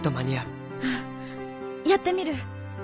うんやってみる。